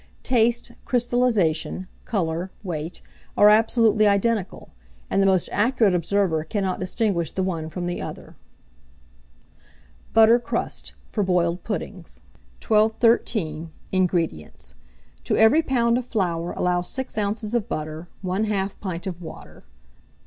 Taste, crystallization, colour, weight, are absolutely identical; and the most accurate observer cannot distinguish the one from the other. BUTTER CRUST, for Boiled Puddings. 1213. INGREDIENTS. To every lb. of flour allow 6 oz. of butter, 1/2 pint of water.